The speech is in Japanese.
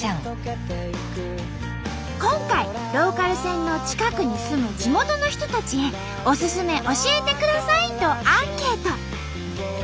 今回ローカル線の近くに住む地元の人たちへおすすめ教えてくださいとアンケート。